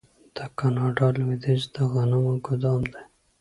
د کاناډا لویدیځ د غنمو ګدام دی.